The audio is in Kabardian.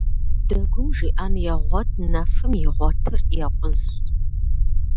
Дэгум жиӀэн егъуэт, нэфым игъуэтыр екъуз.